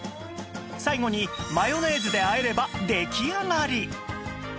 最後にマヨネーズで和えれば出来上がり！